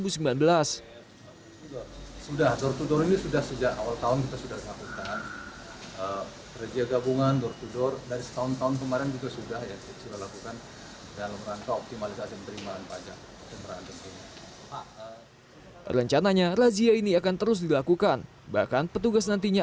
sudah door to door ini sudah sejak awal tahun kita sudah menghapuskan